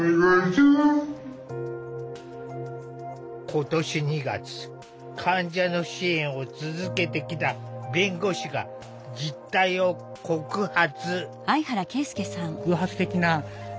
今年２月患者の支援を続けてきた弁護士が実態を告発。